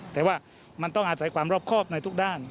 แต่ว่ามันต้องอาศัยความรอบครอบในทุกด้าน